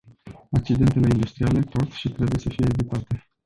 Accidentele industriale pot și trebuie să fie evitate.